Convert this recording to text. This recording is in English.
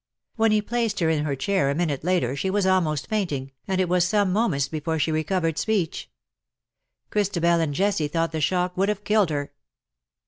When he placed her in her chair a minute later she was almost fainting, and it was some moments before she recovered speech. Christabel and Jessie thought the shock would have killed her.